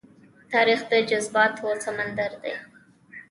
تاریخ د جذباتو سمندر دی.